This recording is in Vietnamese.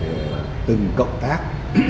với những người từng cộng tác